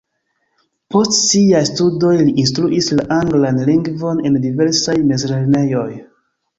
Post siaj studoj li instruis la anglan lingvon en diversaj mezlernejoj.